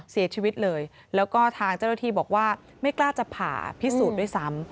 เสียชีวิตเลยแล้วก็ทางเจ้าหน้าที่บอกว่าไม่กล้าจะผ่าพิสูจน์ด้วยซ้ำ